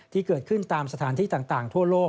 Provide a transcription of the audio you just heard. ที่เกิดขึ้นตามสถานที่ต่างทั่วโลก